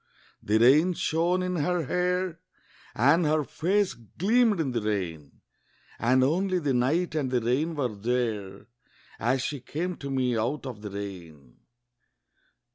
The rain shone in her hair, And her face gleamed in the rain; And only the night and the rain were there As she came to me out of the rain.